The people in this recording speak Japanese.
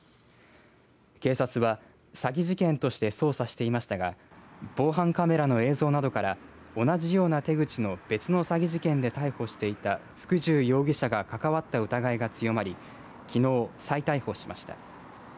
警察は詐欺事件として捜査していましたが防犯カメラの映像などから同じような手口の別の詐欺事件で逮捕していた福重容疑者が関わった疑いが強まりきのう、再逮捕しました。